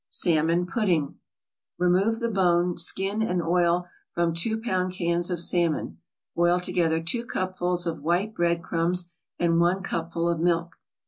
SALMON PUDDING Remove the bone, skin and oil from two pound cans of salmon. Boil together two cupfuls of white bread crumbs and one cupful of milk.